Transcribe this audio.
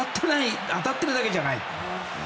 当たってるだけじゃない。